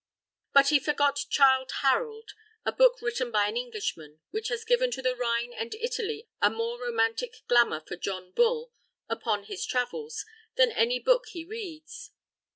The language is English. But he forgot "Childe Harold," a book written by an Englishman, which has given to the Rhine and Italy a more romantic glamour for John Bull upon his travels than any book he reads.